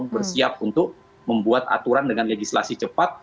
bersiap untuk membuat aturan dengan legislasi cepat